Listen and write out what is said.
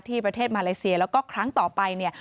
ประเทศมาเลเซียแล้วก็ครั้งต่อไปเนี่ย